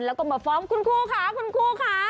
แล้วก็มาฟ้องคุณครูค่ะคุณคู่ค่ะ